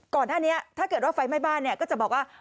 ก่อนหน้านี้ถ้าเกิดว่าไฟไหม้บ้านเนี่ยก็จะบอกว่า